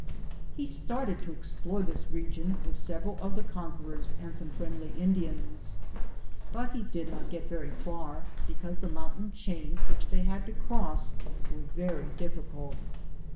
He started to explore this region with several of the conquerors and some friendly Indians, but he did not get very far, because the mountain chains which they had to cross were very difficult.